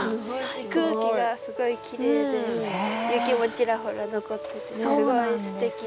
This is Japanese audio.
空気がすごいきれいで雪もちらほら残っててすごいすてきな。